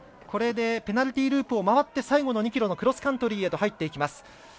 これで、ペナルティーループを回って最後の２ｋｍのクロスカントリーへと入っていきます。